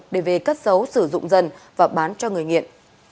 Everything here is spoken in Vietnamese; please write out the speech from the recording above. để về cất giấu sử dụng dân và bán cho người nghiện